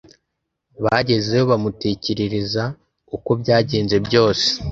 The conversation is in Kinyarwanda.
bagezeyo bamutekerereza uko byagenze byose.